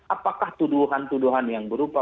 apakah tuduhan tuduhan yang berupa